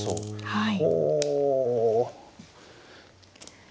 はい。